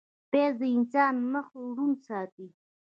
پیاز د انسان مخ روڼ ساتي